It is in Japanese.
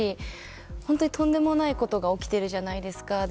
とんでもないことが起きているじゃないですか。